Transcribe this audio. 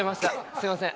すいません。